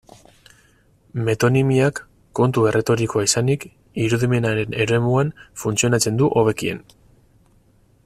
Metonimiak, kontu erretorikoa izanik, irudimenaren eremuan funtzionatzen du hobekien.